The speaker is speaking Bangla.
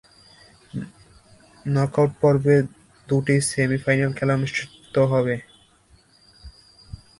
নক-আউট পর্বে দুইটি সেমি-ফাইনাল খেলা অনুষ্ঠিত হবে।